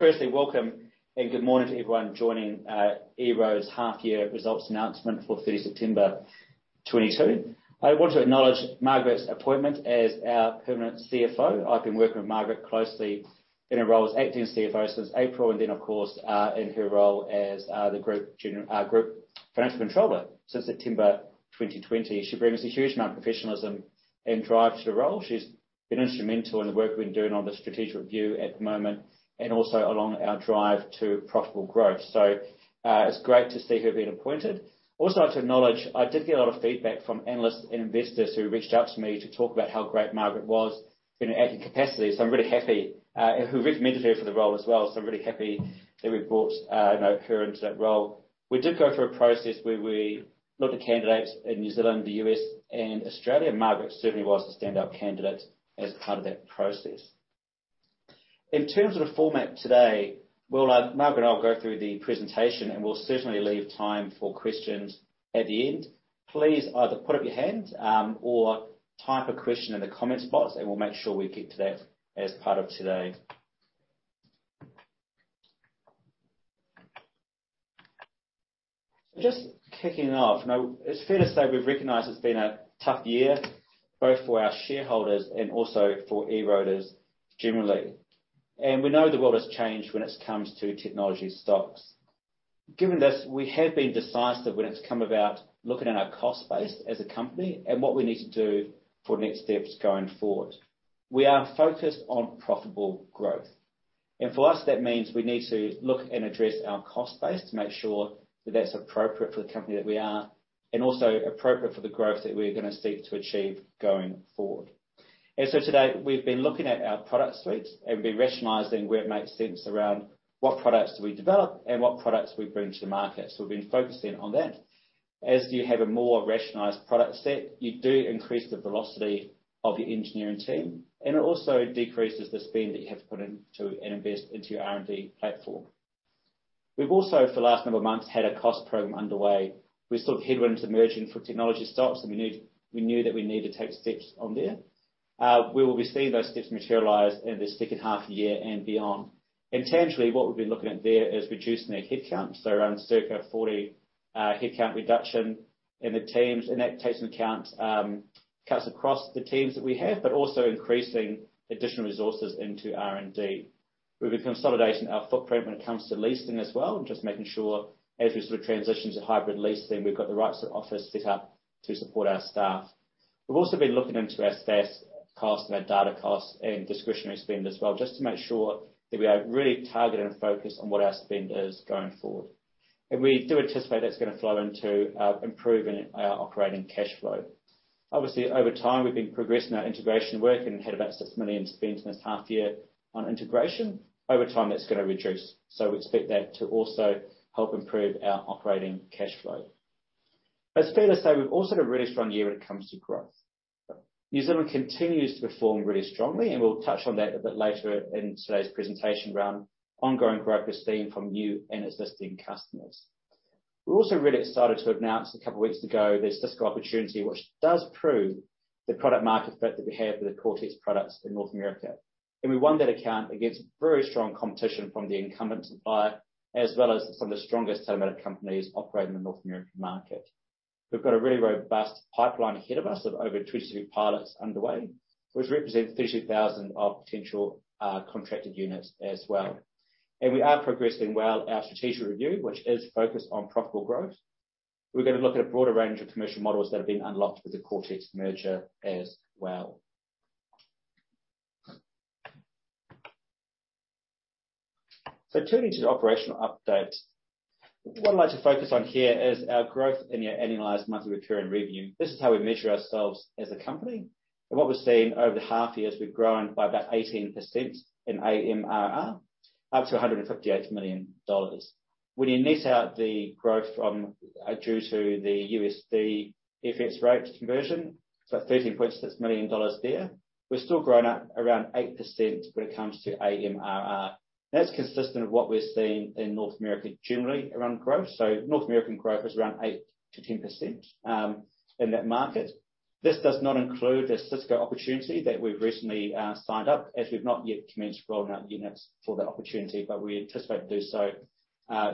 Firstly, welcome and good morning to everyone joining EROAD's Half-Year results announcement for 30 September 2022. I want to acknowledge Margaret's appointment as our permanent CFO. I've been working with Margaret closely in her role as acting CFO since April, and then of course, in her role as the group financial controller since September 2020. She brings a huge amount of professionalism and drive to the role. She's been instrumental in the work we've been doing on the strategic review at the moment, and also along our drive to profitable growth. It's great to see her being appointed. I have to acknowledge, I did get a lot of feedback from analysts and investors who reached out to me to talk about how great Margaret was in her acting capacity, so I'm really happy. Who recommended her for the role as well. I'm really happy that we brought, you know, her into that role. We did go through a process where we looked at candidates in New Zealand, the U.S., and Australia. Margaret certainly was the standout candidate as part of that process. In terms of the format today, well, Margaret and I will go through the presentation. We'll certainly leave time for questions at the end. Please either put up your hand or type a question in the comments box. We'll make sure we get to that as part of today. Just kicking off. It's fair to say we've recognized it's been a tough year, both for our shareholders and also for EROADers generally. We know the world has changed when it's come to technology stocks. Given this, we have been decisive when it's come about looking at our cost base as a company and what we need to do for next steps going forward. We are focused on profitable growth. For us, that means we need to look and address our cost base to make sure that that's appropriate for the company that we are. Also appropriate for the growth that we're gonna seek to achieve going forward. Today, we've been looking at our product suites and been rationalizing where it makes sense around what products do we develop and what products we bring to the market. We've been focusing on that. As you have a more rationalized product set, you do increase the velocity of your engineering team, and it also decreases the spend that you have to put into and invest into your R&D platform. We've also, for the last number of months, had a cost program underway. We saw headwinds emerging for technology stocks. We knew that we needed to take steps on there. We will be seeing those steps materialize in the second half-year and beyond. Tangibly, what we've been looking at there is reducing our headcount. Around circa 40 headcount reduction in the teams. That takes into account cuts across the teams that we have, but also increasing additional resources into R&D. We've been consolidating our footprint when it comes to leasing as well, and just making sure as we sort of transition to hybrid leasing, we've got the right sort of office set up to support our staff. We've also been looking into our SaaS costs and our data costs and discretionary spend as well, just to make sure that we are really targeted and focused on what our spend is going forward. We do anticipate that's gonna flow into improving our operating cash flow. Obviously, over time, we've been progressing our integration work and had about 6 million spent in this half-year on integration. Over time, that's gonna reduce. We expect that to also help improve our operating cash flow. It's fair to say we've also had a really strong year when it comes to growth. New Zealand continues to perform really strongly, and we'll touch on that a bit later in today's presentation around ongoing growth we're seeing from new and existing customers. We're also really excited to announce a couple weeks ago the Cisco opportunity, which does prove the product market fit that we have with the Coretex products in North America. We won that account against very strong competition from the incumbent supplier, as well as some of the strongest telematics companies operating in the North American market. We've got a really robust pipeline ahead of us of over 22 pilots underway, which represents 32,000 of potential contracted units as well. We are progressing well our strategic review, which is focused on profitable growth. We're gonna look at a broader range of commercial models that have been unlocked with the Coretex merger as well. Turning to the operational update. What I'd like to focus on here is our growth in our annualized monthly recurring revenue. This is how we measure ourselves as a company. What we're seeing over the half-year is we've grown by about 18% in AMRR, up to $158 million. When you net out the growth from due to the USD FX rates conversion, so $13.6 million there, we've still grown at around 8% when it comes to AMRR. That's consistent of what we're seeing in North America generally around growth. North American growth is around 8%-10% in that market. This does not include the Cisco opportunity that we've recently signed up as we've not yet commenced rolling out units for that opportunity, but we anticipate to do so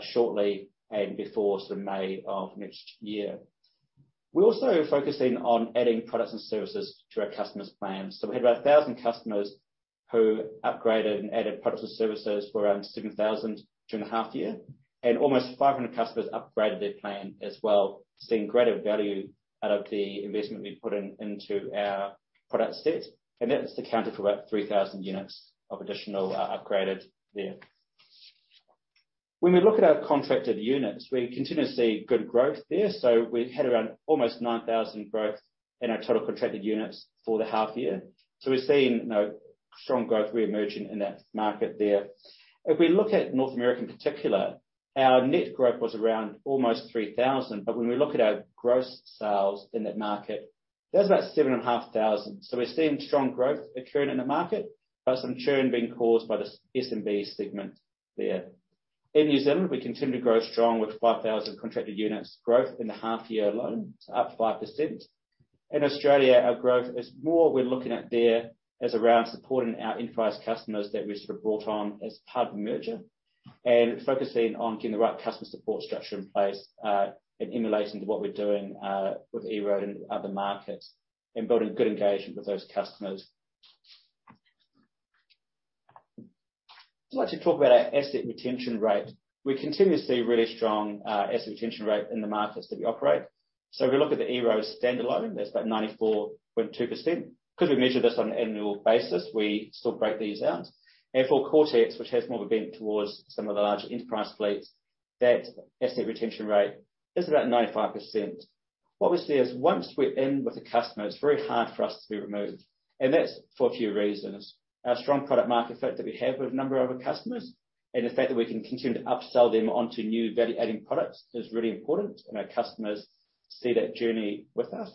shortly and before sort of May of next year. We're also focusing on adding products and services to our customers' plans. We had about 1,000 customers who upgraded and added products and services for around 7,000 during the half-year. Almost 500 customers upgraded their plan as well, seeing greater value out of the investment we've put in, into our product set. That's accounted for about 3,000 units of additional upgraded there. When we look at our contracted units, we continue to see good growth there. We had around almost 9,000 growth in our total contracted units for the half-year. We're seeing, you know, strong growth re-emerging in that market there. If we look at North America in particular, our net growth was around almost 3,000. When we look at our gross sales in that market, that's about 7,500. We're seeing strong growth occurring in the market, but some churn being caused by the SMB segment there. In New Zealand, we continue to grow strong with 5,000 contracted units growth in the half-year alone. It's up 5%. In Australia, our growth is more we're looking at there as around supporting our enterprise customers that we sort of brought on as part of the merger and focusing on getting the right customer support structure in place, in emulation to what we're doing with EROAD and other markets, and building good engagement with those customers. I'd like to talk about our asset retention rate. We continue to see really strong asset retention rate in the markets that we operate. If we look at the EROAD standalone, that's about 94.2%. 'Cause we measure this on an annual basis, we still break these out. For Coretex, which has more of a bent towards some of the larger enterprise fleets, that asset retention rate is about 95%. What we see is once we're in with a customer, it's very hard for us to be removed, and that's for a few reasons. Our strong product market fit that we have with a number of our customers, and the fact that we can continue to upsell them onto new value-adding products is really important, and our customers see that journey with us.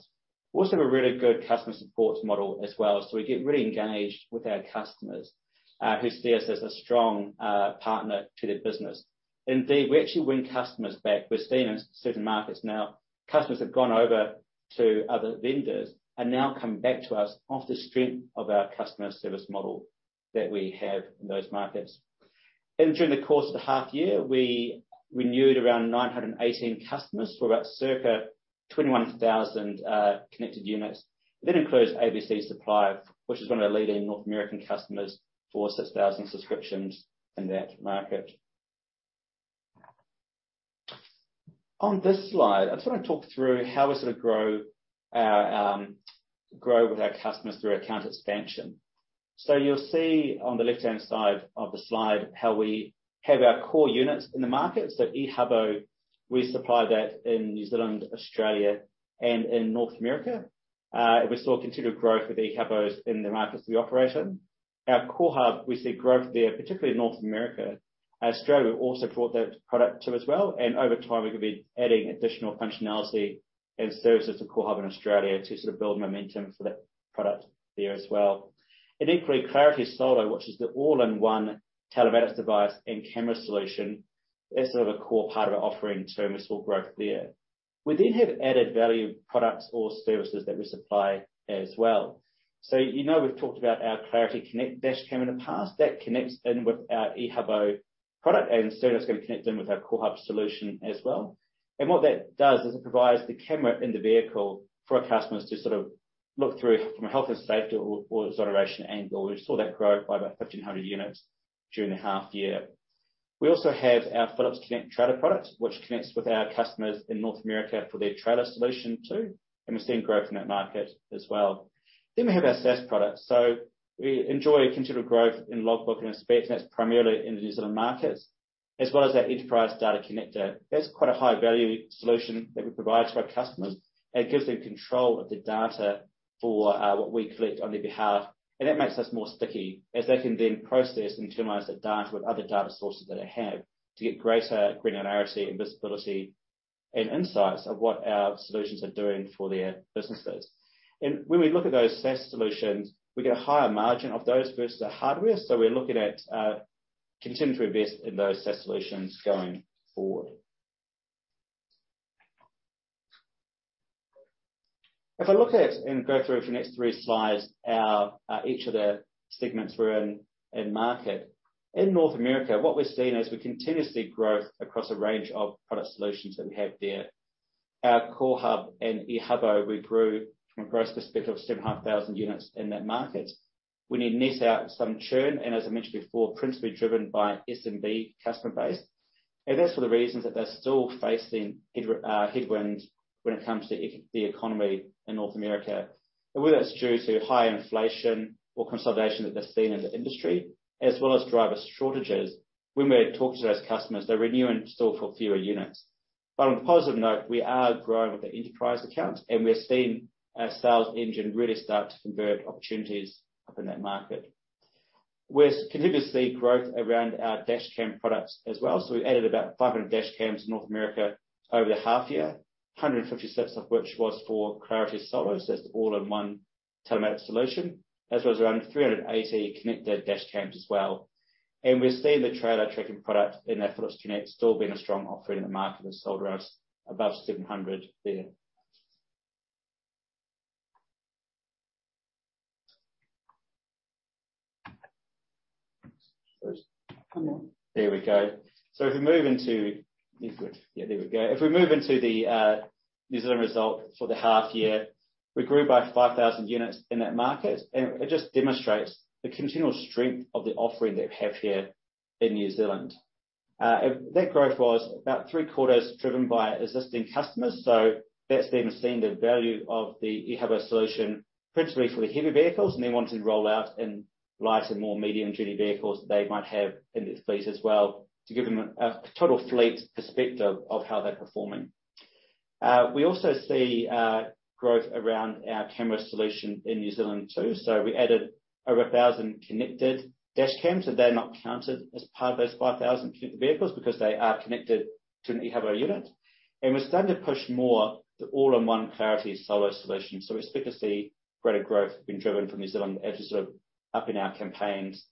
We also have a really good customer support model as well. We get really engaged with our customers, who see us as a strong partner to their business. Indeed, we actually win customers back. We're seeing in certain markets now, customers have gone over to other vendors and now come back to us off the strength of our customer service model that we have in those markets. During the course of the half-year, we renewed around 918 customers for about circa 21,000 connected units. That includes ABC Supply, which is one of the leading North American customers for 6,000 subscriptions in that market. On this slide, I just wanna talk through how we sort of grow with our customers through account expansion. You'll see on the left-hand side of the slide how we have our core units in the market. Ehubo, we supply that in New Zealand, Australia, and in North America. We saw continued growth with Ehubos in the markets we operate in. Our CoreHub, we see growth there, particularly in North America. Australia, we also brought that product to as well, over time, we're gonna be adding additional functionality and services to CoreHub in Australia to sort of build momentum for that product there as well. It includes Clarity Solo, which is the all-in-one telematics device and camera solution. That's sort of a core part of our offering too, we saw growth there. We have added value products or services that we supply as well. You know we've talked about our Clarity Connect Dashcam in the past. That connects in with our Ehubo product and soon it's gonna connect in with our CoreHub solution as well. What that does is it provides the camera in the vehicle for our customers to sort of look through from a health and safety or a consideration angle. We saw that grow by about 1,500 units during the half-year. We also have our Phillips Connect trailer product, which connects with our customers in North America for their trailer solution too. We're seeing growth in that market as well. We have our SaaS product. We enjoy continued growth in Logbook and Inspect, that's primarily in the New Zealand markets, as well as our Enterprise Data Connector. That's quite a high-value solution that we provide to our customers. It gives them control of the data for what we collect on their behalf, and that makes us more sticky as they can then process and utilize that data with other data sources that they have to get greater granularity and visibility and insights of what our solutions are doing for their businesses. When we look at those SaaS solutions, we get a higher margin of those versus the hardware. We're looking at continuing to invest in those SaaS solutions going forward. If I look at and go through for the next three slides, our each of the segments we're in in market. In North America, what we're seeing is we continue to see growth across a range of product solutions that we have there. Our CoreHub and Ehubo, we grew from a growth perspective of 7,500 units in that market. We need to net out some churn, and as I mentioned before, principally driven by SMB customer base. That's for the reasons that they're still facing headwinds when it comes to the economy in North America. Whether that's due to high inflation or consolidation that they're seeing in the industry as well as driver shortages, when we're talking to those customers, they're renewing still for fewer units. On a positive note, we are growing with the enterprise accounts, and we're seeing our sales engine really start to convert opportunities up in that market. We're continuing to see growth around our dash cam products as well. We added about 500 dash cams in North America over the half-year. 150 seats of which was for Clarity Solos. That's the all-in-one telematics solution. As well as around 380 connected dash cams as well. We're seeing the trailer tracking product in that Phillips Connect still being a strong offering in the market that sold around about 700 there. Come on. There we go. If we move into... You good? Yeah, there we go. If we move into the New Zealand result for the half-year, we grew by 5,000 units in that market. It just demonstrates the continual strength of the offering that we have here in New Zealand. That growth was about three-quarters driven by existing customers, so that's them seeing the value of the Ehubo solution, principally for the heavy vehicles, and they want to roll out in lighter, more medium-duty vehicles they might have in their fleets as well to give them a total fleet perspective of how they're performing. We also see growth around our camera solution in New Zealand too. We added over 1,000 connected dashcams, and they're not counted as part of those 5,000 connected vehicles because they are connected to an Ehubo unit. We're starting to push more the all-in-one Clarity Solo solution. We expect to see greater growth being driven from New Zealand as we up in our campaigns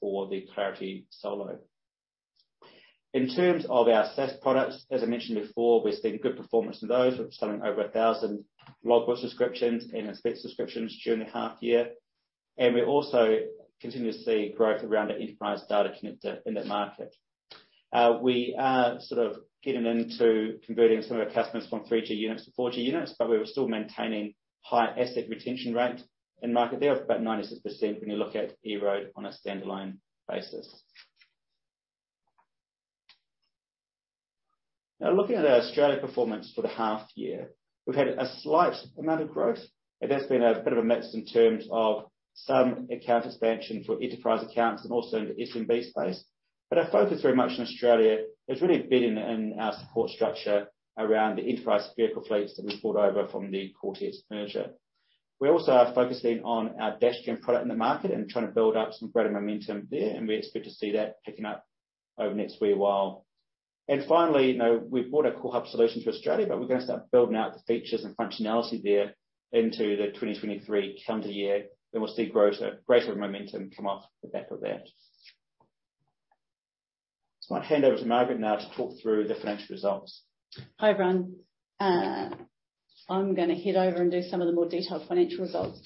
for the Clarity Solo. In terms of our SaaS products, as I mentioned before, we've seen good performance in those. We're selling over 1,000 Logbook subscriptions and Asset subscriptions during the half-year. We also continue to see growth around our Enterprise Data Connector in that market. We are sort of getting into converting some of our customers from 3G units to 4G units, but we're still maintaining high asset retention rate in market there of about 96% when you look at EROAD on a standalone basis. Looking at our Australia performance for the half-year. We've had a slight amount of growth, that's been a bit of a mix in terms of some account expansion for enterprise accounts and also into SMB space. Our focus very much in Australia has really been in our support structure around the enterprise vehicle fleets that we brought over from the Coretex merger. We also are focusing on our Dashcam product in the market and trying to build up some greater momentum there, we expect to see that picking up over the next wee while. Finally, you know, we've brought our CoreHub solution to Australia, but we're gonna start building out the features and functionality there into the 2023 calendar year, then we'll see greater momentum come off the back of that. I might hand over to Margaret now to talk through the financial results. Hi, everyone. I'm going to head over and do some of the more detailed financial results.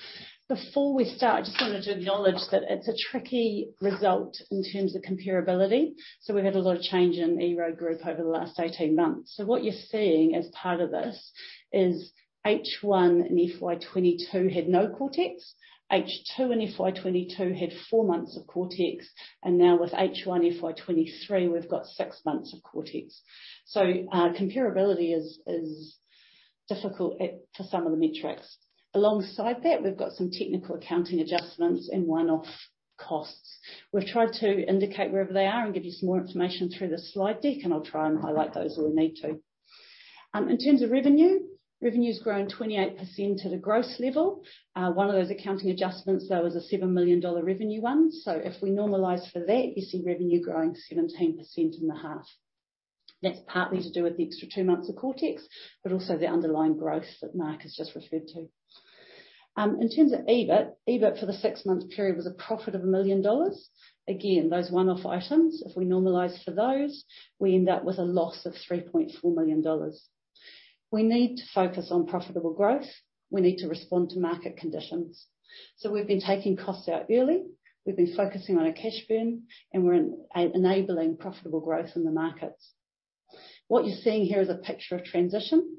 Before we start, I just wanted to acknowledge that it's a tricky result in terms of comparability. We've had a lot of change in EROAD Group over the last 18 months. What you're seeing as part of this is H1 in FY 2022 had no Coretex. H2 in FY 2022 had four months of Coretex. Now with H1 FY 2023, we've got six months of Coretex. Comparability is difficult for some of the metrics. Alongside that, we've got some technical accounting adjustments and one-off costs. We've tried to indicate wherever they are and give you some more information through the slide deck. I'll try and highlight those where we need to. In terms of revenue's grown 28% at a gross level. One of those accounting adjustments though, is a 7 million dollar revenue one, so if we normalize for that, you see revenue growing 17% in the half. That's partly to do with the extra two months of Coretex, but also the underlying growth that Mark has just referred to. In terms of EBIT for the six-month period was a profit of 1 million dollars. Again, those one-off items, if we normalize for those, we end up with a loss of 3.4 million dollars. We need to focus on profitable growth. We need to respond to market conditions. We've been taking costs out early. We've been focusing on our cash burn, and we're enabling profitable growth in the markets. What you're seeing here is a picture of transition.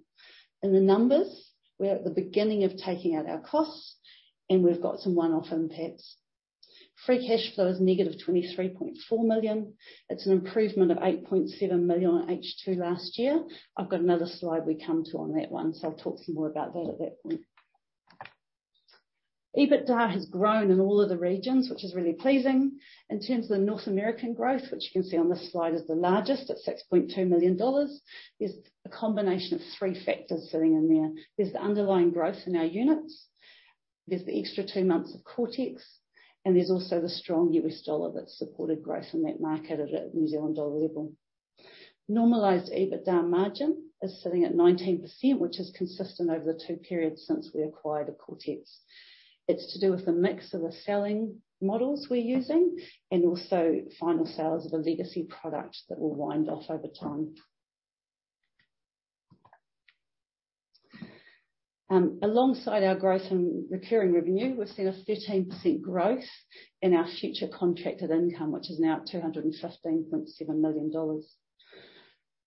In the numbers, we're at the beginning of taking out our costs, and we've got some one-off impacts. Free cash flow is -23.4 million. It's an improvement of 8.7 million on H2 last year. I've got another slide we come to on that one, so I'll talk some more about that at that point. EBITDA has grown in all of the regions, which is really pleasing. In terms of the North American growth, which you can see on this slide is the largest at $6.2 million, is a combination of three factors sitting in there. There's the underlying growth in our units, there's the extra two months of Coretex, and there's also the strong U.S. dollar that supported growth in that market at a New Zealand dollar level. Normalized EBITDA margin is sitting at 19%, which is consistent over the two periods since we acquired Coretex. It's to do with the mix of the selling models we're using and also final sales of a legacy product that will wind off over time. Alongside our growth in recurring revenue, we've seen a 13% growth in our future contracted income, which is now at 215.7 million dollars.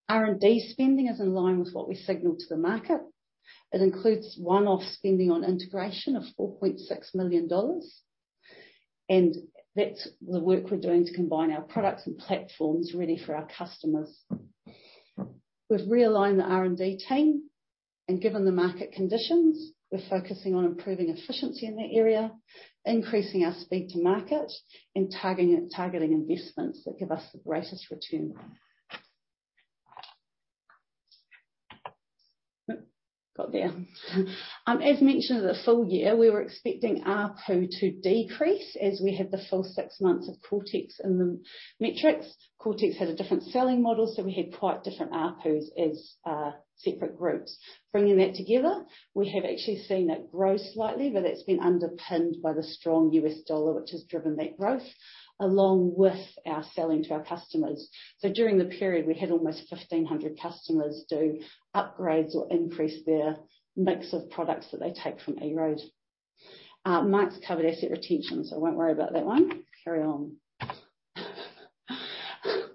R&D spending is in line with what we signaled to the market. It includes one-off spending on integration of 4.6 million dollars, that's the work we're doing to combine our products and platforms ready for our customers. We've realigned the R&D team, given the market conditions, we're focusing on improving efficiency in that area, increasing our speed to market and targeting investments that give us the greatest return. Got there. As mentioned at the full year, we were expecting ARPU to decrease as we have the full six months of Coretex in the metrics. Coretex has a different selling model, we had quite different ARPUs as separate groups. Bringing that together, we have actually seen it grow slightly, that's been underpinned by the strong U.S. dollar, which has driven that growth along with our selling to our customers. During the period, we had almost 1,500 customers do upgrades or increase their mix of products that they take from EROAD. Mark's covered asset retention, I won't worry about that one. Carry on.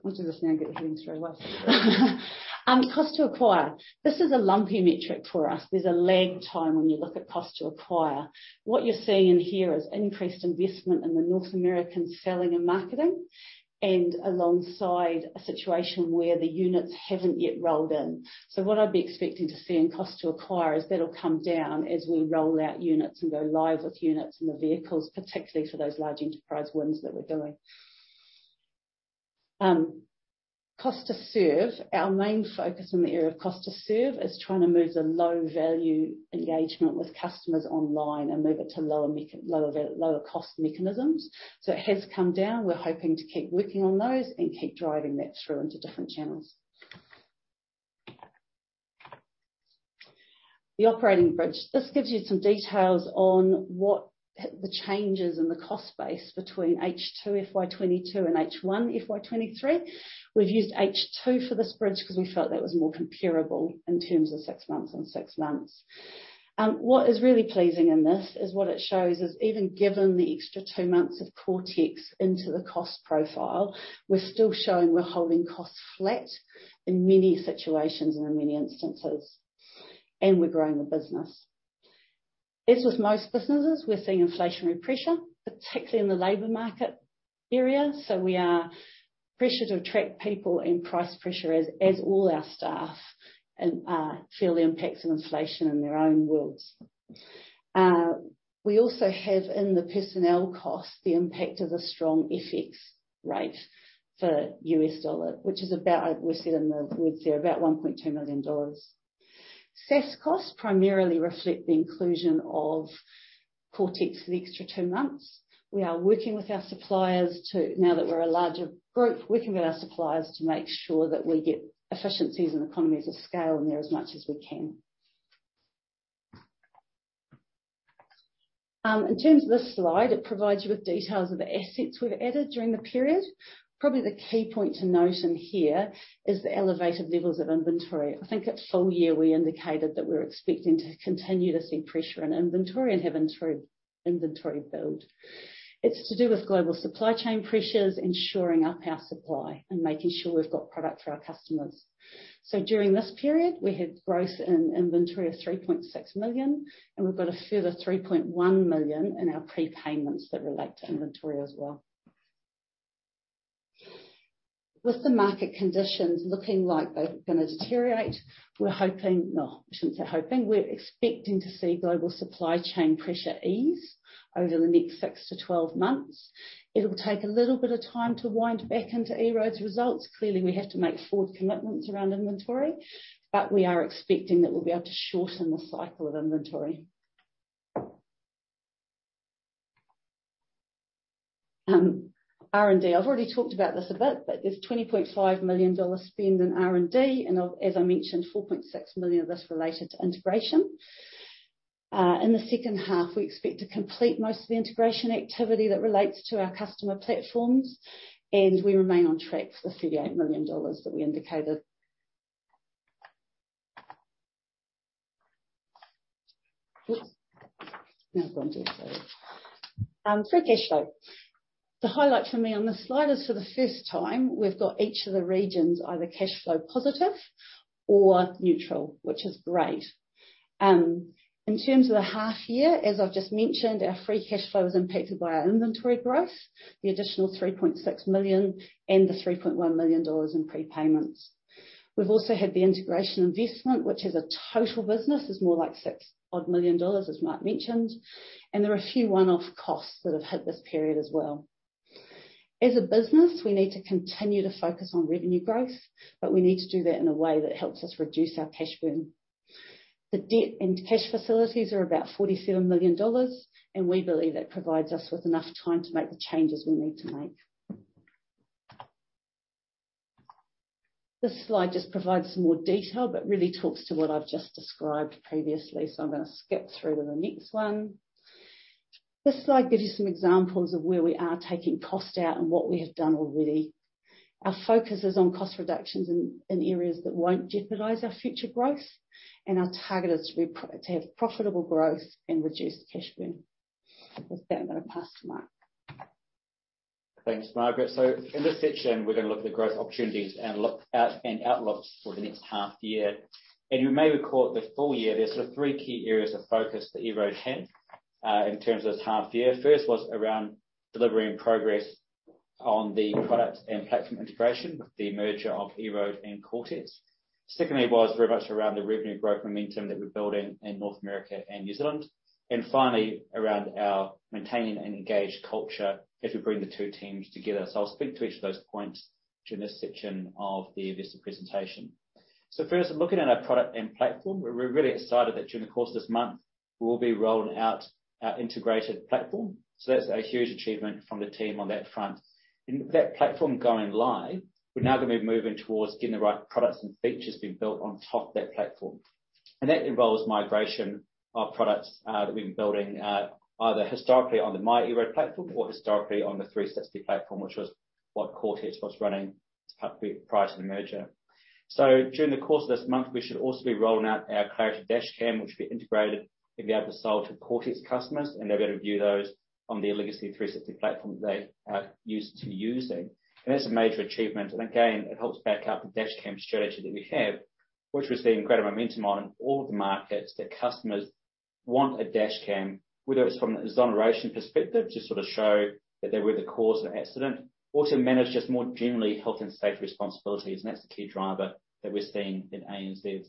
We'll do this now and get it over and done with. Cost to acquire. This is a lumpy metric for us. There's a lag time when you look at cost to acquire. What you're seeing in here is increased investment in the North American selling and marketing alongside a situation where the units haven't yet rolled in. What I'd be expecting to see in cost to acquire is that'll come down as we roll out units and go live with units in the vehicles, particularly for those large enterprise wins that we're doing. Cost to serve. Our main focus in the area of cost to serve is trying to move the low value engagement with customers online and move it to lower cost mechanisms. It has come down. We're hoping to keep working on those and keep driving that through into different channels. The operating bridge. This gives you some details on what the changes in the cost base between H2 FY 2022 and H1 FY 2023. We've used H2 for this bridge because we felt that was more comparable in terms of six months and six months. What is really pleasing in this is what it shows is even given the extra two months of Coretex into the cost profile, we're still showing we're holding costs flat in many situations and in many instances, we're growing the business. As with most businesses, we're seeing inflationary pressure, particularly in the labor market area, we are pressured to attract people and price pressure as all our staff feel the impacts of inflation in their own worlds. We also have in the personnel costs, the impact of a strong FX rate for U.S. dollar, which is about, we see it in the woods there, about $1.2 million. SaaS costs primarily reflect the inclusion of Coretex for the extra two months. Now that we're a larger group, working with our suppliers to make sure that we get efficiencies and economies of scale in there as much as we can. In terms of this slide, it provides you with details of the assets we've added during the period. Probably the key point to note in here is the elevated levels of inventory. I think at full year, we indicated that we're expecting to continue to see pressure in inventory and have inventory build. It's to do with global supply chain pressures, ensuring up our supply and making sure we've got product for our customers. During this period, we had growth in inventory of 3.6 million. We've got a further 3.1 million in our prepayments that relate to inventory as well. With the market conditions looking like they're gonna deteriorate, we're hoping, no, I shouldn't say hoping. We're expecting to see global supply chain pressure ease over the next six-12 months. It'll take a little bit of time to wind back into EROAD's results. Clearly, we have to make forward commitments around inventory. We are expecting that we'll be able to shorten the cycle of inventory. R&D. I've already talked about this a bit. There's 20.5 million dollars spend in R&D. As I mentioned, 4.6 million of this related to integration. In the second half, we expect to complete most of the integration activity that relates to our customer platforms, and we remain on track for the $58 million that we indicated. Oops. Now I've gone too far. Free cash flow. The highlight for me on this slide is for the first time, we've got each of the regions either cash flow positive or neutral, which is great. In terms of the half-year, as I've just mentioned, our free cash flow is impacted by our inventory growth, the additional $3.6 million and the $3.1 million in prepayments. We've also had the integration investment, which as a total business is more like $6 odd million, as Mark mentioned, and there are a few one-off costs that have hit this period as well. As a business, we need to continue to focus on revenue growth, but we need to do that in a way that helps us reduce our cash burn. The debt and cash facilities are about 47 million dollars, and we believe that provides us with enough time to make the changes we need to make. This slide just provides some more detail, but really talks to what I've just described previously, so I'm gonna skip through to the next one. This slide gives you some examples of where we are taking cost out and what we have done already. Our focus is on cost reductions in areas that won't jeopardize our future growth, and our target is to have profitable growth and reduce cash burn. With that, I'm gonna pass to Mark. Thanks, Margaret. In this section, we're gonna look at the growth opportunities and outlooks for the next half-year. You may recall the full year, there's sort of three key areas of focus that EROAD had in terms of this half-year. First was around delivering progress on the product and platform integration, the merger of EROAD and Coretex. Secondly, was very much around the revenue growth momentum that we're building in North America and New Zealand. Finally, around our maintaining an engaged culture as we bring the two teams together. I'll speak to each of those points during this section of the investor presentation. First, looking at our product and platform, we're really excited that during the course of this month, we will be rolling out our integrated platform. That's a huge achievement from the team on that front. With that platform going live, we're now gonna be moving towards getting the right products and features being built on top of that platform. That involves migration of products that we've been building either historically on the MyEROAD platform or historically on the 360 platform, which was what Coretex was running prior to the merger. During the course of this month, we should also be rolling out our Clarity Dashcam, which will be integrated and be able to sell to Coretex customers, and they'll be able to view those on the legacy 360 platform they are used to using. That's a major achievement. Again, it helps back up the dashcam strategy that we have, which we're seeing great momentum on in all the markets that customers want a dashcam, whether it's from an exoneration perspective, to sort of show that they weren't the cause of the accident, or to manage just more generally health and safety responsibilities. That's the key driver that we're seeing in ANZ. We'll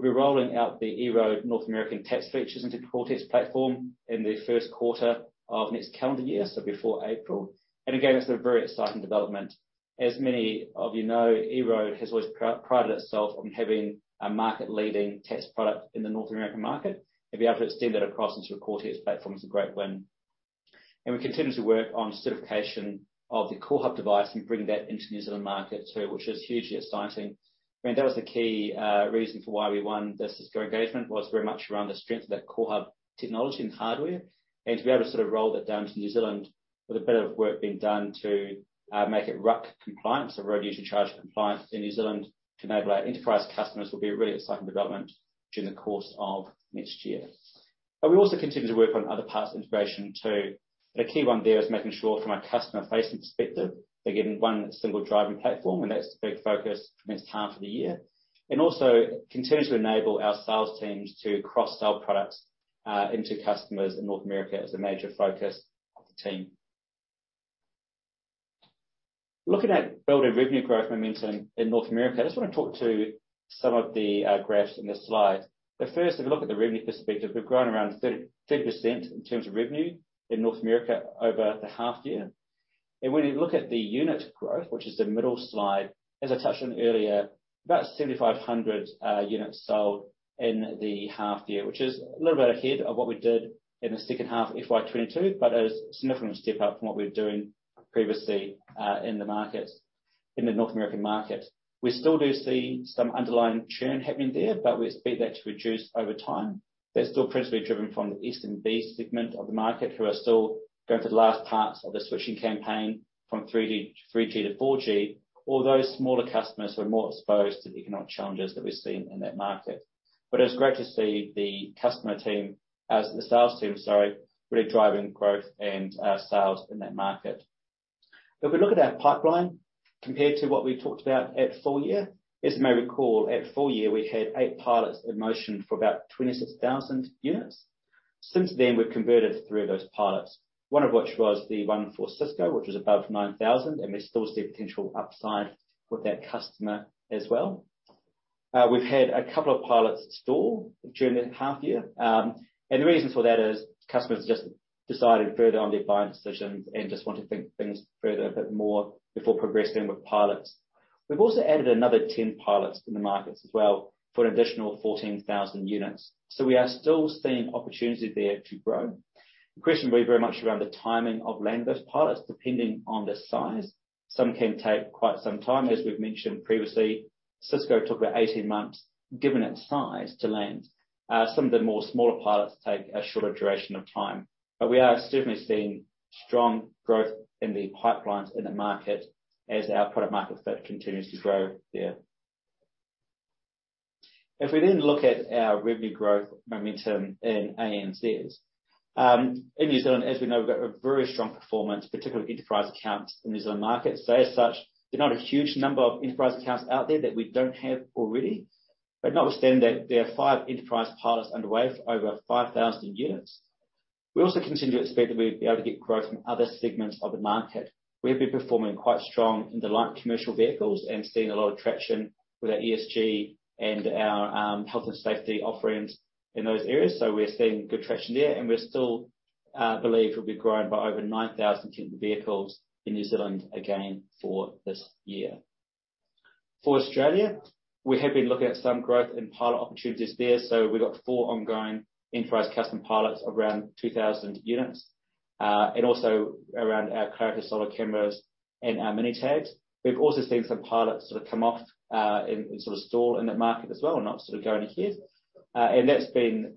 be rolling out the EROAD North American tax features into the Coretex platform in the first quarter of next calendar year, so before April. Again, it's a very exciting development. As many of you know, EROAD has always prided itself on having a market-leading tax product in the North American market. To be able to extend that across into the Coretex platform is a great win. We continue to work on certification of the CoreHub device and bring that into New Zealand market too, which is hugely exciting. I mean, that was the key reason for why we won the Cisco engagement, was very much around the strength of that CoreHub technology and hardware. To be able to sort of roll that down to New Zealand with a bit of work being done to make it RUC compliant, so Road User Charger compliant in New Zealand, to enable our enterprise customers will be a really exciting development during the course of next year. We also continue to work on other parts of integration too. The key one there is making sure from a customer-facing perspective, they're getting one single driving platform, and that's the big focus for next half of the year. Also continue to enable our sales teams to cross-sell products into customers in North America is a major focus of the team. Looking at building revenue growth momentum in North America, I just wanna talk to some of the graphs in this slide. First, if you look at the revenue perspective, we've grown around 30% in terms of revenue in North America over the half-year. When you look at the unit growth, which is the middle slide, as I touched on earlier, about 7,500 units sold in the half-year. Which is a little bit ahead of what we did in the second half of FY 2022, but it was a significant step up from what we were doing previously, in the markets, in the North American market. We still do see some underlying churn happening there, but we expect that to reduce over time. That's still principally driven from the SMB segment of the market, who are still going through the last parts of the switching campaign from 3G to 4G. All those smaller customers who are more exposed to the economic challenges that we're seeing in that market. It's great to see the customer team, as the sales team, sorry, really driving growth and sales in that market. If we look at our pipeline compared to what we talked about at full year, as you may recall, at full year, we had eight pilots in motion for about 26,000 units. Since then, we've converted three of those pilots, one of which was the one for Cisco, which was above 9,000, and we still see a potential upside with that customer as well. We've had a couple of pilots stall during the half-year. The reason for that is customers just decided further on their buying decisions and just want to think things through a bit more before progressing with pilots. We've also added another 10 pilots in the markets as well for an additional 14,000 units. We are still seeing opportunity there to grow. The question will be very much around the timing of landing those pilots, depending on the size. Some can take quite some time. As we've mentioned previously, Cisco took about 18 months, given its size, to land. Some of the more smaller pilots take a shorter duration of time. We are certainly seeing strong growth in the pipelines in the market as our product market fit continues to grow there. If we then look at our revenue growth momentum in ANZ. In New Zealand, as we know, we've got a very strong performance, particularly enterprise accounts in the New Zealand market. As such, there's not a huge number of enterprise accounts out there that we don't have already. Notwithstanding that, there are five enterprise pilots underway for over 5,000 units. We also continue to expect that we'll be able to get growth from other segments of the market. We have been performing quite strong in the light commercial vehicles and seeing a lot of traction with our ESG and our health and safety offerings in those areas. We're seeing good traction there. We still believe we'll be growing by over 9,000 vehicles in New Zealand again for this year. Australia, we have been looking at some growth in pilot opportunities there. We've got 4 ongoing enterprise custom pilots of around 2,000 units. And also around our EROAD Clarity Solar cameras and our EROAD Where Mini tags. We've also seen some pilots sort of come off and sort of stall in that market as well, and not sort of go ahead. And that's been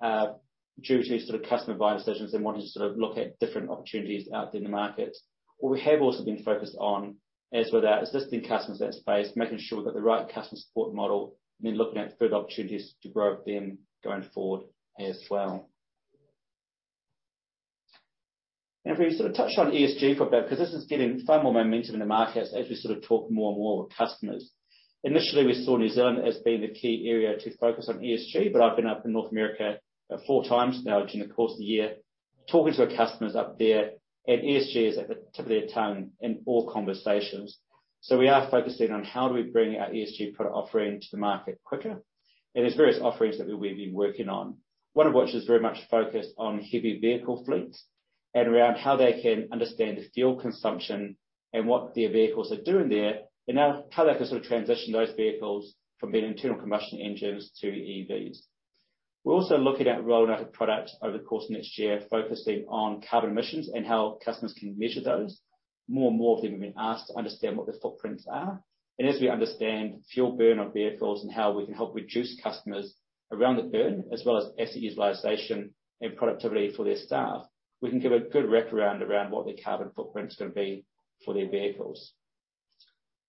due to sort of customer buying decisions and wanting to sort of look at different opportunities out there in the market. What we have also been focused on is with our existing customers in that space, making sure we've got the right customer support model, and then looking at further opportunities to grow them going forward as well. If we sort of touch on ESG for a bit, 'cause this is getting far more momentum in the markets as we sort of talk more and more with customers. Initially, we saw New Zealand as being the key area to focus on ESG, but I've been up in North America, four times now during the course of the year, talking to our customers up there, and ESG is at the tip of their tongue in all conversations. We are focusing on how do we bring our ESG product offering to the market quicker. There's various offerings that we've been working on. One of which is very much focused on heavy vehicle fleets and around how they can understand the fuel consumption and what their vehicles are doing there, and now how they can sort of transition those vehicles from being internal combustion engines to EVs. We're also looking at rolling out a product over the course of next year, focusing on carbon emissions and how customers can measure those. More and more of them have been asked to understand what their footprints are. As we understand fuel burn of vehicles and how we can help reduce customers around the burn, as well as asset utilization and productivity for their staff, we can give a good wraparound around what their carbon footprint's gonna be for their vehicles.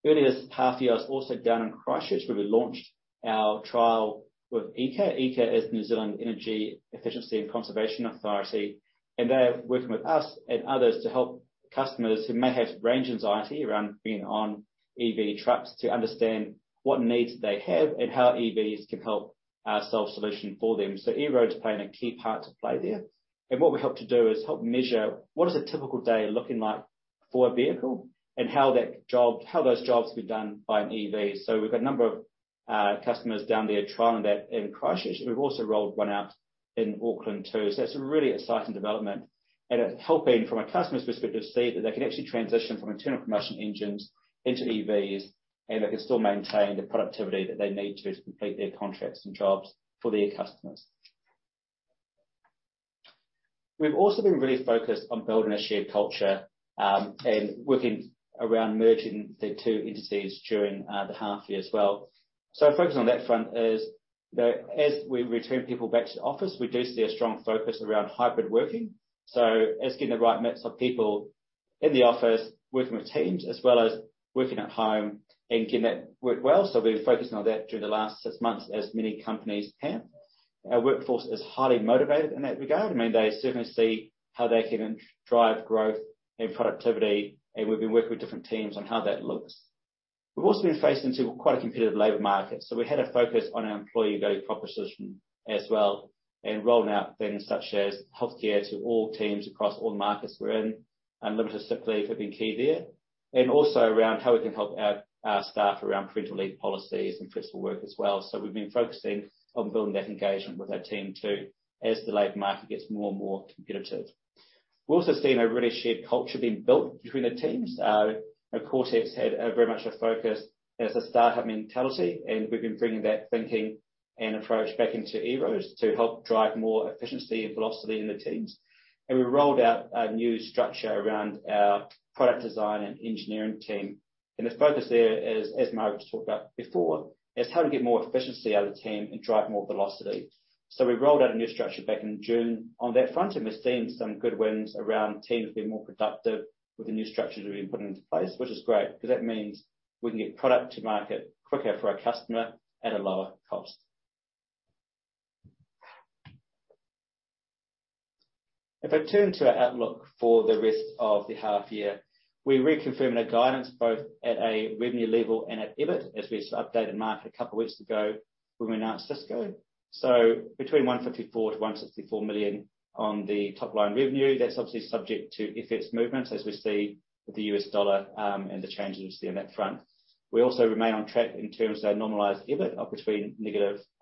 Earlier this past year, I was also down in Christchurch, where we launched our trial with EECA. EECA is New Zealand Energy Efficiency and Conservation Authority. They are working with us and others to help customers who may have range anxiety around being on EV trucks to understand what needs they have and how EVs can help solve solution for them. EROAD's playing a key part to play there. What we hope to do is help measure what is a typical day looking like for a vehicle and how those jobs can be done by an EV. We've got a number of customers down there trialing that in Christchurch, and we've also rolled one out in Auckland too. It's a really exciting development and it's helping from a customer's perspective, see that they can actually transition from internal combustion engines into EVs and they can still maintain the productivity that they need to complete their contracts and jobs for their customers. We've also been really focused on building a shared culture, and working around merging the two entities during the half-year as well. Our focus on that front is that as we return people back to the office, we do see a strong focus around hybrid working. It's getting the right mix of people in the office working with teams, as well as working at home and can that work well. We've been focusing on that during the last six months, as many companies have. Our workforce is highly motivated in that regard. I mean, they certainly see how they can drive growth and productivity, and we've been working with different teams on how that looks. We've also been faced into quite a competitive labor market, so we had a focus on our employee value proposition as well, and rolling out things such as healthcare to all teams across all markets we're in, unlimited sick leave have been key there. Also around how we can help our staff around parental leave policies and flexible work as well. We've been focusing on building that engagement with our team too, as the labor market gets more and more competitive. We've also seen a really shared culture being built between the teams. Coretex had a very much a focus as a startup mentality, and we've been bringing that thinking and approach back into EROAD to help drive more efficiency and velocity in the teams. We rolled out a new structure around our product design and engineering team. The focus there is, as Margaret talked about before, is how to get more efficiency out of the team and drive more velocity. We rolled out a new structure back in June. On that front, and we've seen some good wins around teams being more productive with the new structures we've been putting into place, which is great because that means we can get product to market quicker for our customer at a lower cost. If I turn to our outlook for the rest of the half-year, we reconfirm the guidance both at a revenue level and at EBIT, as we updated market a couple weeks ago when we announced Cisco. Between 154 million-164 million on the top line revenue. That's obviously subject to FX movements as we see the U.S. dollar and the changes there on that front. We also remain on track in terms of our normalized EBIT of between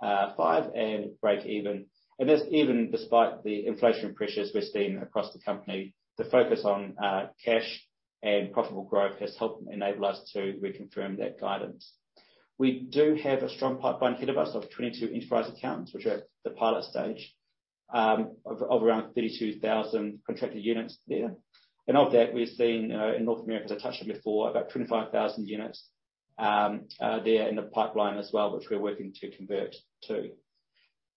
-5% and breakeven. That's even despite the inflation pressures we're seeing across the company. The focus on cash and profitable growth has helped enable us to reconfirm that guidance. We do have a strong pipeline ahead of us of 22 enterprise accounts, which are at the pilot stage of around 32,000 contracted units there. Of that, we've seen in North America, as I touched on before, about 25,000 units there in the pipeline as well, which we're working to convert to.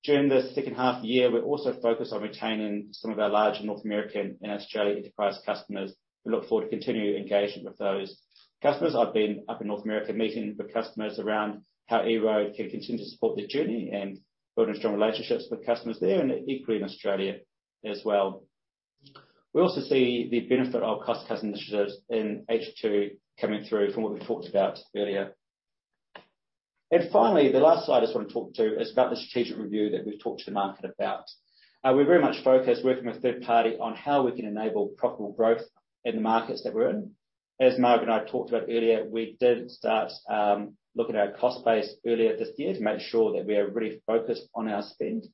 During the second half-year, we're also focused on retaining some of our larger North American and Australia enterprise customers. We look forward to continuing engagement with those customers. I've been up in North America meeting with customers around how EROAD can continue to support their journey and building strong relationships with customers there and equally in Australia as well. We also see the benefit of cost-cut initiatives in H2 coming through from what we talked about earlier. Finally, the last slide I just wanna talk to is about the strategic review that we've talked to the market about. We're very much focused working with third party on how we can enable profitable growth in the markets that we're in. As Margaret and I talked about earlier, we did start looking at our cost base earlier this year to make sure that we are really focused on our spend,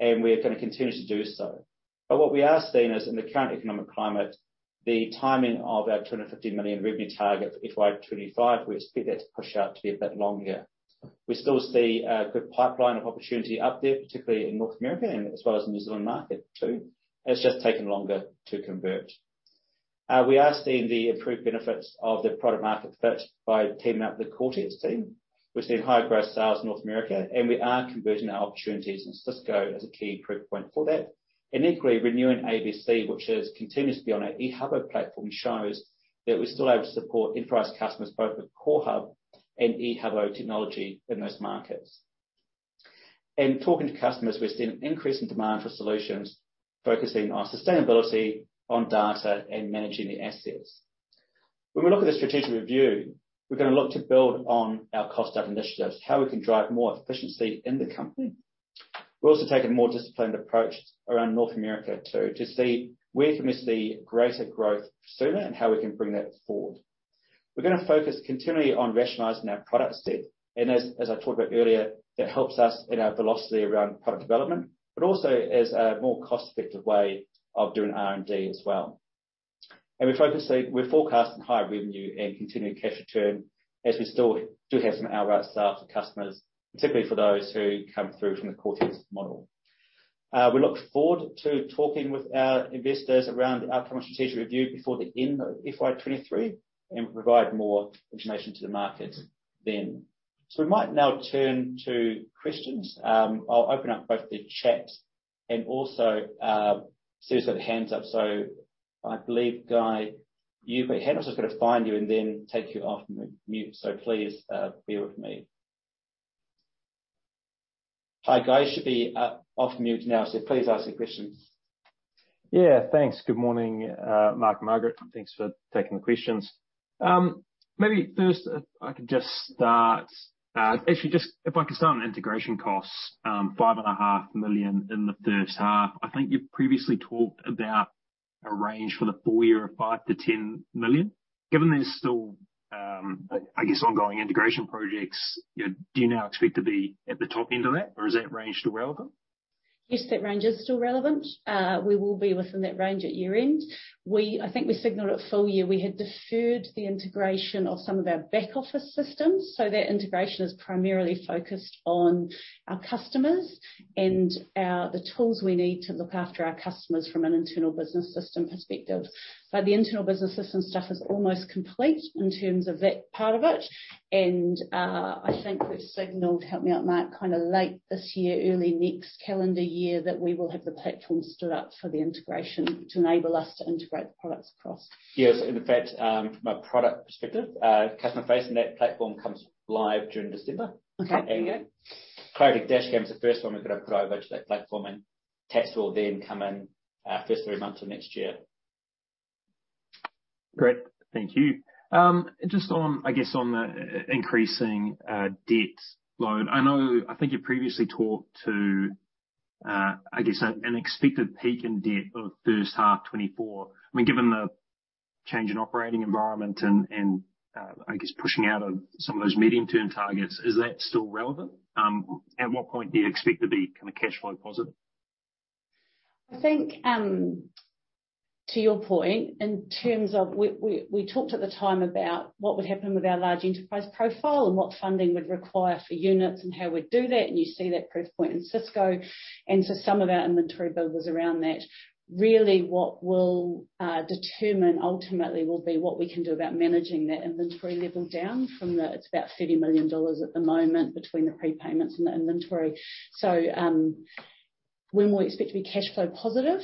and we're gonna continue to do so. What we are seeing is in the current economic climate, the timing of our 250 million revenue target for FY 2025, we expect that to push out to be a bit longer. We still see a good pipeline of opportunity out there, particularly in North America and as well as the New Zealand market too. It's just taking longer to convert. We are seeing the improved benefits of the product market fit by teaming up with the Coretex team. We've seen high gross sales in North America, and we are converting our opportunities, and Cisco is a key proof point for that. Equally, renewing ABC, which is continuing to be on our Ehubo platform, shows that we're still able to support enterprise customers both with CoreHub and Ehubo technology in those markets. In talking to customers, we're seeing an increase in demand for solutions, focusing on sustainability, on data, and managing the assets. When we look at the strategic review, we're gonna look to build on our cost cut initiatives, how we can drive more efficiency in the company. We'll also take a more disciplined approach around North America, too, to see where can we see greater growth sooner and how we can bring that forward. We're gonna focus continually on rationalizing our product set, as I talked about earlier, that helps us in our velocity around product development, but also as a more cost-effective way of doing R&D as well. We're forecasting higher revenue and continued cash return as we still do have some outright sale for customers, particularly for those who come through from the Coretex model. We look forward to talking with our investors around our current strategic review before the end of FY 2023 and provide more information to the market then. We might now turn to questions. I'll open up both the chat and also see who's got their hands up. I believe, Guy, you've a hand up. I've got to find you and then take you off mute. Please bear with me. Hi, Guy.You should be off mute now, so please ask your questions. Thanks. Good morning, Mark and Margaret. Thanks for taking the questions. Maybe first I could just start, actually, just if I could start on integration costs, 5.5 Million in the first half. I think you've previously talked about a range for the full year of 5 million-10 million. Given there's still, I guess, ongoing integration projects, do you now expect to be at the top end of that, or is that range still relevant? Yes, that range is still relevant. We will be within that range at year-end. I think we signaled at full year, we had deferred the integration of some of our back office systems. That integration is primarily focused on our customers and our, the tools we need to look after our customers from an internal business system perspective. The internal business system stuff is almost complete in terms of that part of it. I think we've signaled, help me out, Mark, kinda late this year, early next calendar year, that we will have the platform stood up for the integration to enable us to integrate the products across. Yes. In fact, from a product perspective, customer facing that platform comes live during December. Okay. There you go. Clarity Dashcam is the first one we're gonna put over to that platform, and tax will then come in, first three months of next year. Great. Thank you. Just on, I guess, on the increasing debt load. I know, I think you previously talked to, I guess, an expected peak in debt of first half 2024. I mean, given the change in operating environment and, I guess pushing out of some of those medium-term targets, is that still relevant? At what point do you expect to be kinda cash flow positive? I think, to your point, in terms of we talked at the time about what would happen with our large enterprise profile and what funding we'd require for units and how we'd do that, you see that proof point in Cisco. Some of our inventory build was around that. Really what will determine ultimately will be what we can do about managing that inventory level down. It's about 30 million dollars at the moment between the prepayments and the inventory. When we expect to be cash flow positive,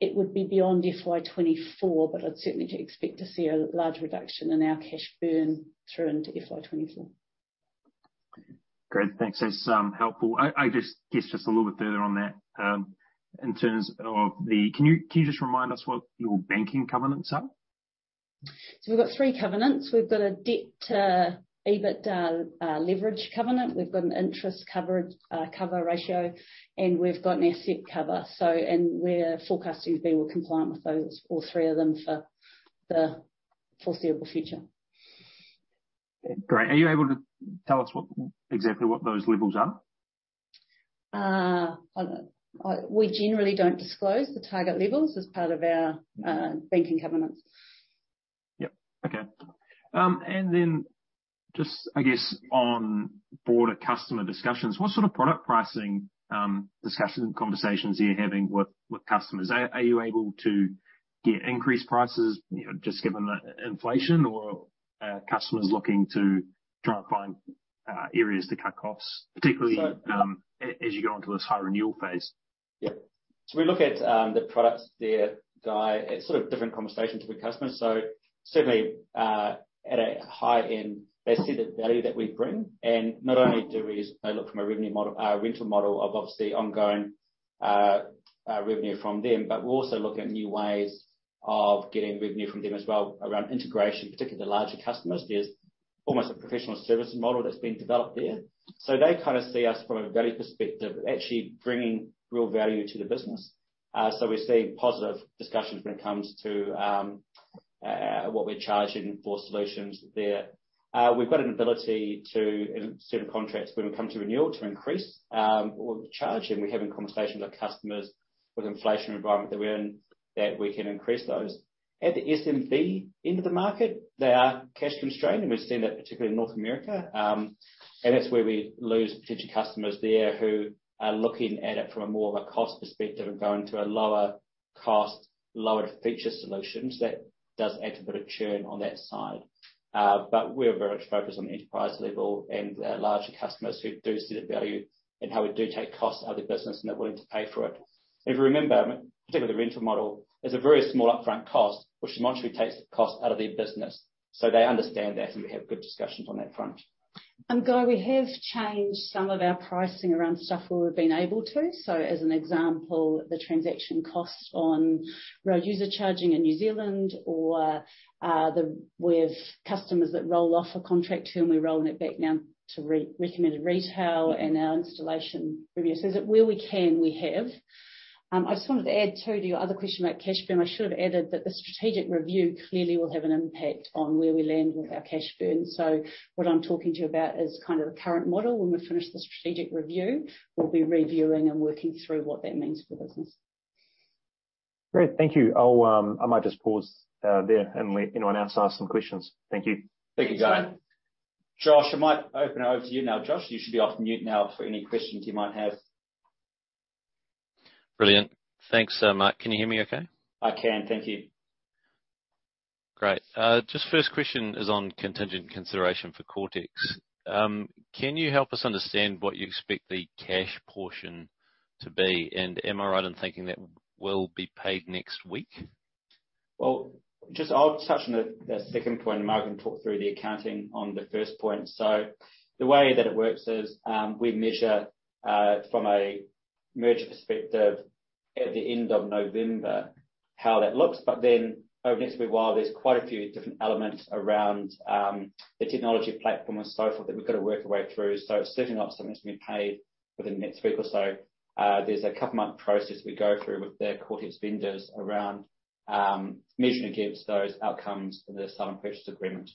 it would be beyond FY 2024, but I'd certainly expect to see a large reduction in our cash burn through into FY 2024. Great. Thanks. That's helpful. Yes, just a little bit further on that. In terms of the, can you just remind us what your banking covenants are? We've got three covenants. We've got a debt to EBITDA leverage covenant, we've got an interest coverage cover ratio, and we've got an asset cover. We're forecasting we'll be well compliant with those, all three of them, for the foreseeable future. Great. Are you able to tell us what, exactly what those levels are? We generally don't disclose the target levels as part of our banking covenants. Yep. Okay. I guess, on broader customer discussions, what sort of product pricing, discussion conversations are you having with customers? Are you able to get increased prices, you know, just given the inflation or are customers looking to try and find areas to cut costs, particularly...as you go into this high renewal phase? Yeah. We look at the products there, Guy. It's sort of different conversations with customers. Certainly, at a high end, they see the value that we bring. Not only do we look from a rental model of obviously ongoing revenue from them, but we're also looking at new ways of getting revenue from them as well around integration, particularly the larger customers. There's almost a professional service model that's been developed there. They kind of see us from a value perspective, actually bringing real value to the business. We're seeing positive discussions when it comes to what we're charging for solutions there. We've got an ability to, in certain contracts when we come to renewal, to increase what we charge, and we're having conversations with customers with the inflation environment that we're in, that we can increase those. At the SMB end of the market, they are cash constrained, and we've seen that particularly in North America. That's where we lose potential customers there who are looking at it from more of a cost perspective and going to a lower cost, lower feature solutions. That does add to a bit of churn on that side. We're very much focused on the enterprise level and larger customers who do see the value in how we do take costs out of their business, and they're willing to pay for it. If you remember, particularly the rental model, there's a very small upfront cost, which in monetary takes the cost out of their business. They understand that, and we have good discussions on that front. Guy, we have changed some of our pricing around stuff where we've been able to. As an example, the transaction cost on Road User Charges in New Zealand or, we have customers that roll off a contract term, we're rolling it back now to re-recommended retail and our installation review. Where we can, we have. I just wanted to add too, to your other question about cash burn. I should have added that the strategic review clearly will have an impact on where we land with our cash burn. What I'm talking to you about is kind of the current model. When we finish the strategic review, we'll be reviewing and working through what that means for the business. Great. Thank you. I might just pause there and let anyone else ask some questions. Thank you. Thank you, Guy. Josh, I might open it over to you now, Josh. You should be off mute now for any questions you might have. Brilliant. Thanks, Mark. Can you hear me okay? I can. Thank you. Great. Just first question is on contingent consideration for Coretex. Can you help us understand what you expect the cash portion to be? Am I right in thinking that will be paid next week? Well, just I'll touch on the second point. Mark can talk through the accounting on the first point. The way that it works is, we measure from a merger perspective at the end of November, how that looks. Over the next wee while, there's quite a few different elements around the technology platform and so forth that we've got to work our way through. It's certainly not something that's going to be paid within the next week or so. There's a couple month process we go through with the Coretex vendors around measuring against those outcomes for the sale and purchase agreement.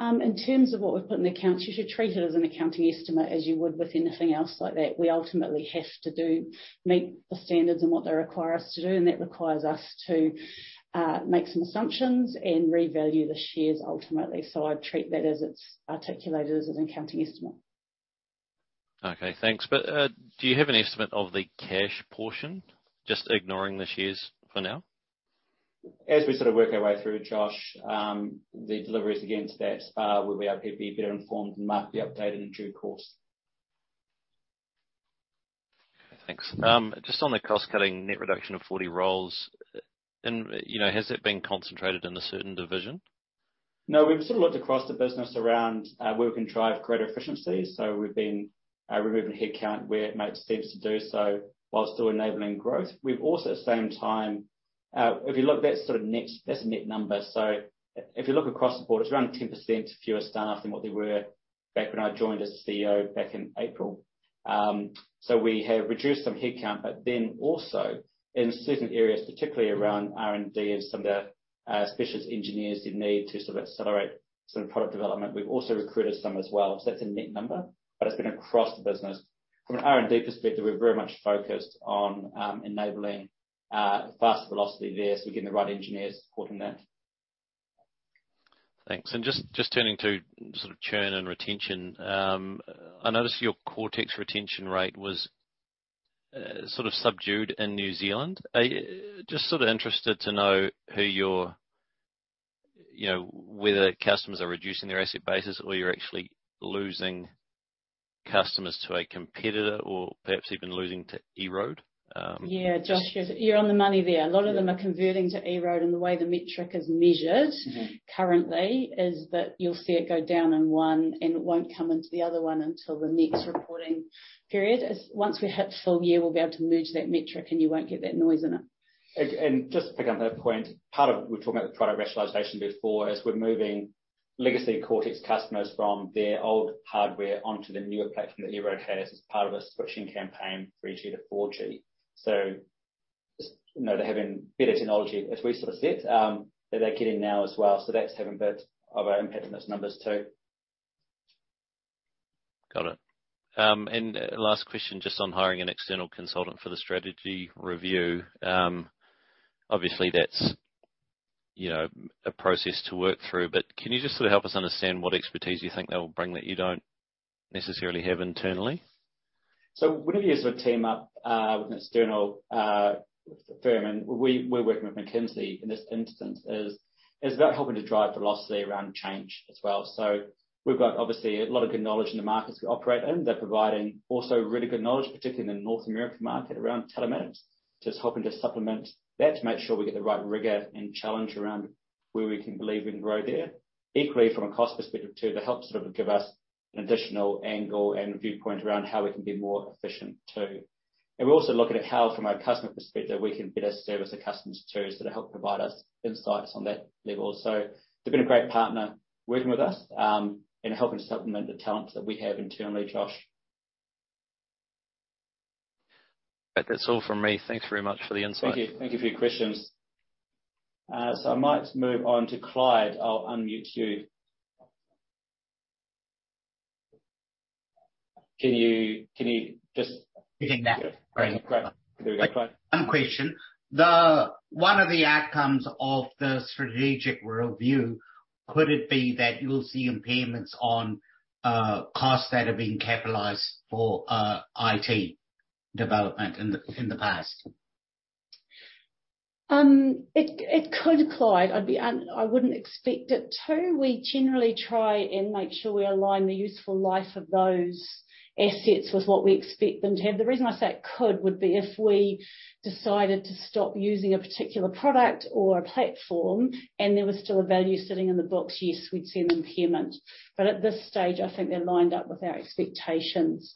In terms of what we've put in the accounts, you should treat it as an accounting estimate as you would with anything else like that. We ultimately have to meet the standards and what they require us to do, and that requires us to make some assumptions and revalue the shares ultimately. I'd treat that as it's articulated as an accounting estimate. Okay, thanks. Do you have an estimate of the cash portion, just ignoring the shares for now? As we sort of work our way through, Josh, the deliveries against that, we'll be able to be better informed and might be updated in due course. Thanks. Just on the cost-cutting net reduction of 40 roles, you know, has it been concentrated in a certain division? No. We've sort of looked across the business around where we can drive greater efficiencies, so we've been removing headcount where it makes sense to do so while still enabling growth. We've also at the same time. If you look, that's sort of net, that's a net number. If you look across the board, it's around 10% fewer staff than what they were back when I joined as CEO back in April. We have reduced some headcount, but then also in certain areas, particularly around R&D and some of our specialist engineers who need to sort of accelerate some product development, we've also recruited some as well. That's a net number, but it's been across the business. From an R&D perspective, we're very much focused on enabling faster velocity there, so we're getting the right engineers supporting that. Thanks. Just turning to sort of churn and retention, I noticed your Coretex retention rate was sort of subdued in New Zealand. Just sort of interested to know You know, whether customers are reducing their asset bases or you're actually losing customers to a competitor or perhaps even losing to EROAD? Yeah. Josh, you're on the money there. Yeah. A lot of them are converting to EROAD. The way the metric is measured. Currently is that you'll see it go down in one. It won't come into the other one until the next reporting period. Once we hit full year, we'll be able to merge that metric. You won't get that noise in it. Just to pick up that point. We were talking about the product rationalization before, is we're moving legacy Coretex customers from their old hardware onto the newer platform that EROAD has as part of a switching campaign, 3G to 4G. Just, you know, they're having better technology, as we sort of said, that they're getting now as well. That's having a bit of an impact on those numbers too. Got it. Last question, just on hiring an external consultant for the strategy review. Obviously that's, you know, a process to work through. Can you just sort of help us understand what expertise you think they will bring that you don't necessarily have internally? Whenever you sort of team up with an external firm, and we're working with McKinsey in this instance, about helping to drive velocity around change as well. We've got obviously a lot of good knowledge in the markets we operate in. They're providing also really good knowledge, particularly in the North American market around telematics. Just helping to supplement that to make sure we get the right rigor and challenge around where we can believe and grow there. Equally, from a cost perspective too, they help sort of give us an an additional angle and viewpoint around how we can be more efficient too. We're also looking at how from a customer perspective, we can better service the customers too, so to help provide us insights on that level. They've been a great partner working with us, and helping to supplement the talent that we have internally, Josh. That's all from me. Thanks very much for the insight. Thank you. Thank you for your questions. I might move on to Clyde. I'll unmute you. Can you just- Hearing that. Great. Great. There we go. Clyde. One question. One of the outcomes of the strategic review, could it be that you'll see impairments on costs that have been capitalized for IT development in the past? It, it could, Clyde. I wouldn't expect it to. We generally try and make sure we align the useful life of those assets with what we expect them to have. The reason I say it could would be if we decided to stop using a particular product or a platform and there was still a value sitting in the books, yes, we'd see an impairment. At this stage, I think they're lined up with our expectations.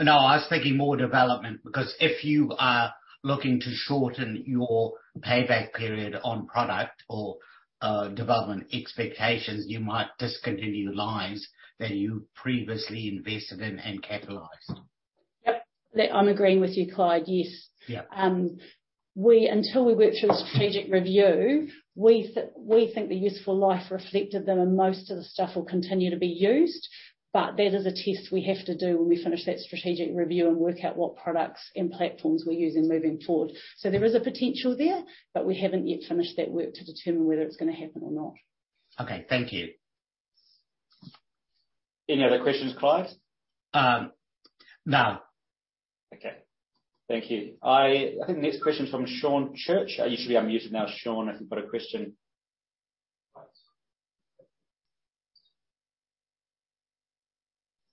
No, I was thinking more development because if you are looking to shorten your payback period on product or development expectations, you might discontinue lines that you previously invested in and capitalized. Yep. Look, I'm agreeing with you, Clyde, yes. Yeah. Until we work through the strategic review, we think the useful life reflected them and most of the stuff will continue to be used. That is a test we have to do when we finish that strategic review and work out what products and platforms we're using moving forward. There is a potential there, but we haven't yet finished that work to determine whether it's gonna happen or not. Okay. Thank you. Any other questions, Clyde? No. Okay. Thank you. I think the next question is from Sean Church. You should be unmuted now, Sean, if you've got a question.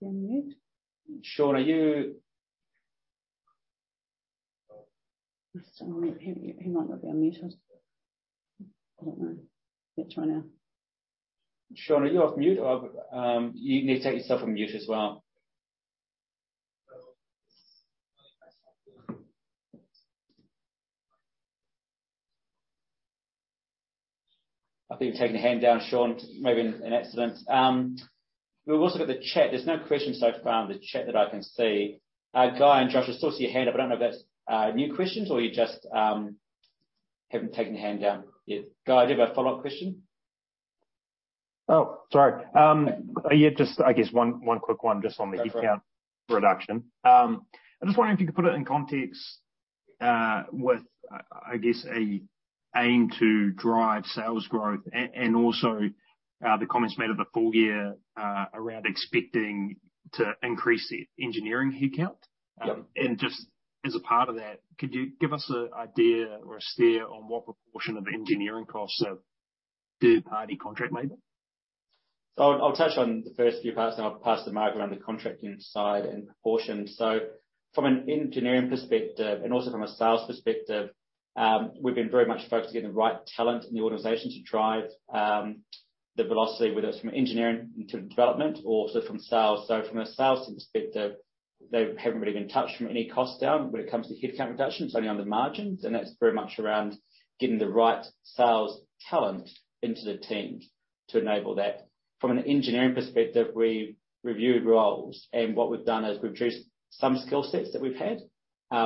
Is he on mute? Sean, are? He's still on mute. He might not be unmuted. I don't know. Let's try now. Sean, are you off mute? You need to take yourself off mute as well. I think you've taken a hand down, Sean, maybe in accident. We've also got the chat. There's no questions so far on the chat that I can see. Guy and Josh, I still see your hand up. I don't know if that's new questions or you're just, Haven't taken a hand down yet. Guy, do you have a follow-up question? Oh, sorry. Yeah, just I guess one quick one. That's right. Just on headcount reduction. I'm just wondering if you could put it in context, with, I guess, a aim to drive sales growth and also, the comments made of the full year, around expecting to increase the engineering headcount? Yep. Just as a part of that, could you give us an idea or a steer on what proportion of engineering costs are third-party contract labor? I'll touch on the first few parts, and I'll pass to Margaret on the contracting side and proportion. From an engineering perspective, and also from a sales perspective, we've been very much focused on getting the right talent in the organization to drive the velocity, whether it's from engineering into development or also from sales. From a sales perspective, they haven't really been touched from any cost down when it comes to headcount reduction. It's only on the margins, and that's very much around getting the right sales talent into the team to enable that. From an engineering perspective, we've reviewed roles, and what we've done is reduced some skill sets that we've had,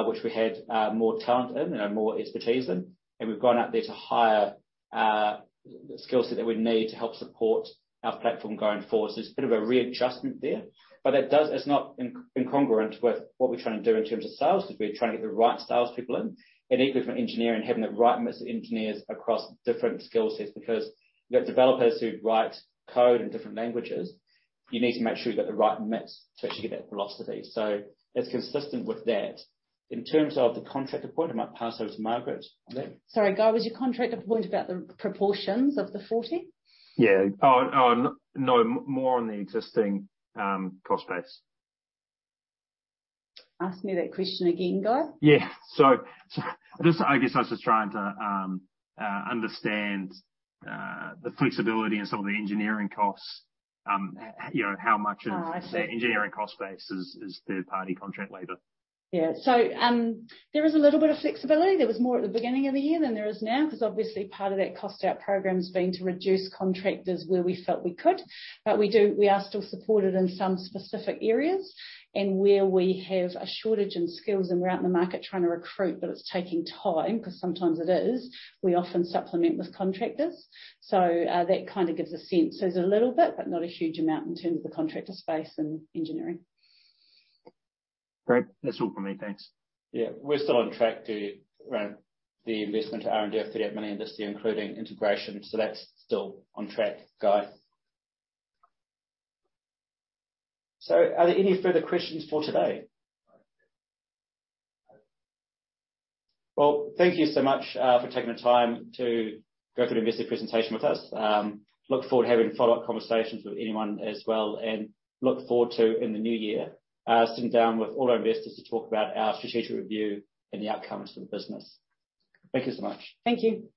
which we had, more talent in and are more expertise in, and we've gone out there to hire, the skill set that we need to help support our platform going forward. It's a bit of a readjustment there. It's not incongruent with what we're trying to do in terms of sales, 'cause we're trying to get the right sales people in. Equally from engineering, having the right mix of engineers across different skill sets because we have developers who write code in different languages. You need to make sure you've got the right mix to actually get that velocity. It's consistent with that. In terms of the contractor point, I might pass over to Margaret on that. Sorry, Guy, was your contractor point about the proportions of the 40? Yeah. Oh, no, more on the existing, cost base. Ask me that question again, Guy. Yeah. I guess I was just trying to understand the flexibility in some of the engineering costs. Oh, I see. You know, how much of the engineering cost base is third-party contract labor. Yeah. There is a little bit of flexibility. There was more at the beginning of the year than there is now, 'cause obviously part of that cost out program has been to reduce contractors where we felt we could. We are still supported in some specific areas. Where we have a shortage in skills and we're out in the market trying to recruit, but it's taking time, 'cause sometimes it is, we often supplement with contractors. That kinda gives a sense. There's a little bit, but not a huge amount in terms of the contractor space in engineering. Great. That's all from me. Thanks. We're still on track to run the investment R&D of 38 million this year, including integration. That's still on track, Guy. Are there any further questions for today? Thank you so much for taking the time to go through the investor presentation with us. Look forward to having follow-up conversations with anyone as well and look forward to, in the new year, sitting down with all our investors to talk about our strategic review and the outcomes for the business. Thank you so much. Thank you.